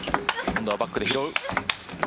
今度はバックで拾う。